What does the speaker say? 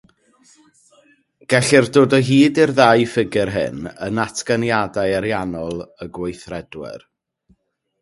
Gellir dod o hyd i'r ddau ffigur hyn yn natganiadau ariannol y gweithredwyr.